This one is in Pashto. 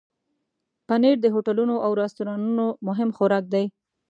پنېر د هوټلونو او رستورانونو مهم خوراک دی.